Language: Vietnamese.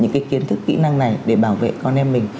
những cái kiến thức kỹ năng này để bảo vệ con em mình